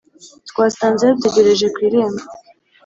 twasanze yadutegereje ku irembo,